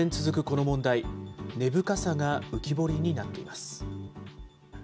この問題、根深さが浮き彫りになっています。